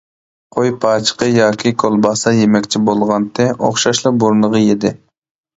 قوي پاچىقى ياكى كولباسا يېمەكچى بولغانتى ئوخشاشلا بۇرنىغا يېدى.